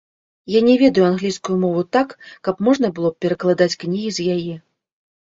Я не ведаю англійскую мову так, каб можна было б перакладаць кнігі з яе.